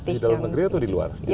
di dalam negeri atau di luar